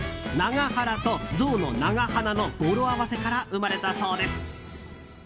長原とゾウの長鼻の語呂合わせから生まれたそうです。